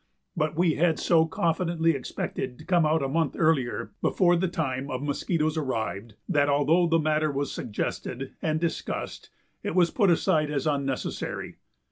But we had so confidently expected to come out a month earlier, before the time of mosquitoes arrived, that although the matter was suggested and discussed it was put aside as unnecessary.